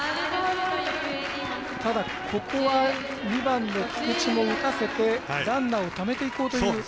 ただ、ここは２番の菊地も打たせてランナーをためていこうという。